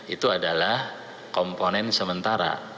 itu adalah komponen sementara